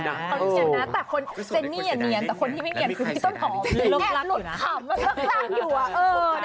แต่คนที่ไม่เกียรติคือพี่ต้นหอบ